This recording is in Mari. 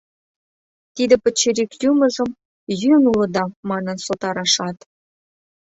Тиде пычырик йӱмыжым «йӱын улыда» манын сотарашат...